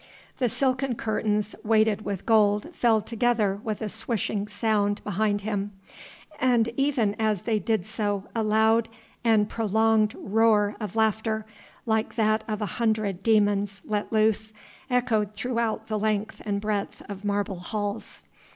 The silken curtains weighted with gold fell together with a swishing sound behind him. And even as they did so a loud and prolonged roar of laughter, like that of a hundred demons let loose, echoed throughout the length and breadth of marble halls.